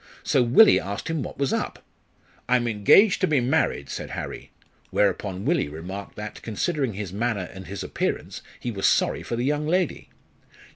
So Willie asked him what was up. 'I'm engaged to be married,' said Harry. Whereupon Willie remarked that, considering his manner and his appearance, he was sorry for the young lady.